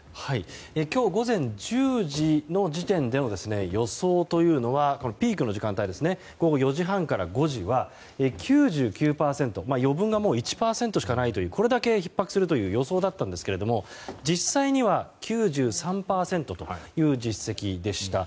今日午前１０時の時点の予想というのはピークの時間帯午後４時半から５時は９９％、余分なものは１％しかないというこれだけ、ひっ迫するという予想だったんですが実際には９３％という実績でした。